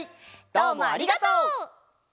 どうもありがとう！